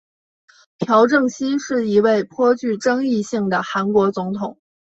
朴正熙是一位颇具争议性的韩国总统。